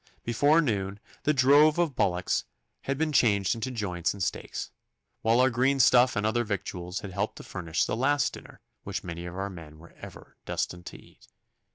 Before noon the drove of bullocks had been changed into joints and steaks, while our green stuff and other victuals had helped to furnish the last dinner which many of our men were ever destined to eat.